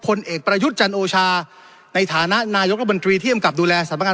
ผลเอกประยุทธ์จันโอชาในฐานะนายกรบันตรีที่อำกับดูแลสัตว์ประงาน